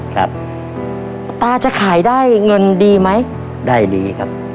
ครับตาจะขายได้เงินดีไหมได้ดีครับ